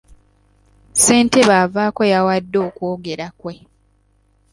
Ssentebe avaako yawadde okwogera kwe.